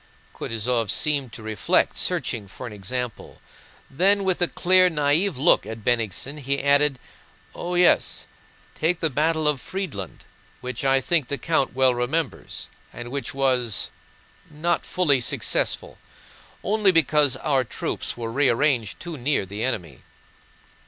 Kutúzov seemed to reflect, searching for an example, then with a clear, naïve look at Bennigsen he added: "Oh yes; take the battle of Friedland, which I think the count well remembers, and which was... not fully successful, only because our troops were rearranged too near the enemy...."